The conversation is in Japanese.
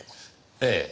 ええ。